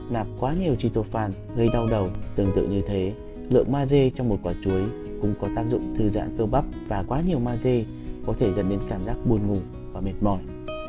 nạp quá nhiều tritophan gây đau đầu tương tự như thế lượng maze trong một quả chuối cũng có tác dụng thư giãn cơ bắp và quá nhiều maze có thể dẫn đến cảm giác buồn ngủ và mệt mỏi